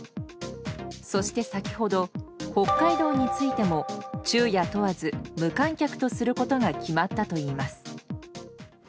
そして先ほど北海道についても昼夜問わず無観客とすることが決まったといいます。